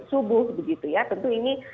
subuh begitu ya tentu ini